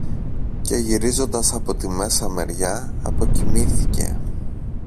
Και γυρίζοντας από τη μέσα μεριά αποκοιμήθηκε.